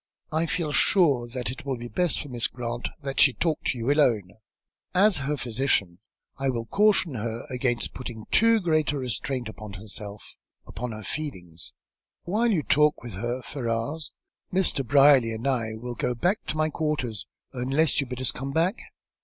"I feel sure that it will be best for Miss Grant that she talk with you alone. As her physician, I will caution her against putting too great a restraint upon herself, upon her feelings. While you talk with her, Ferrars, Mr. Brierly and I will go back to my quarters, unless you bid us come back."